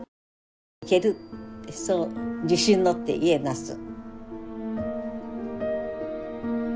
そう自信持って言えます。